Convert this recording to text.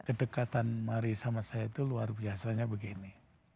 kedekatan mari sama saya itu luar biasanya begini